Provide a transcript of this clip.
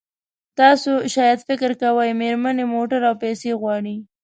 تاسو شاید فکر کوئ مېرمنې موټر او پیسې غواړي.